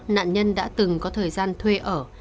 nạn nhân đã từng có thời gian thuê ở